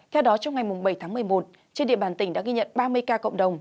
theo đó trong ngày bảy tháng một mươi một trên địa bàn tỉnh đã ghi nhận ba mươi ca cộng đồng